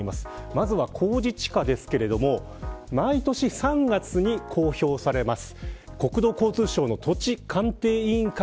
まずは公示地価ですけれども毎年３月に公表されます。